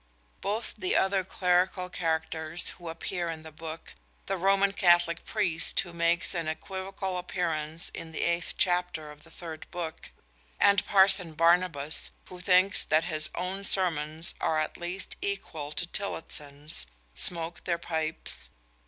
Both the other clerical characters who appear in the book, the Roman Catholic priest who makes an equivocal appearance in the eighth chapter of the third book, and Parson Barnabas, who thinks that his own sermons are at least equal to Tillotson's, smoke their pipes.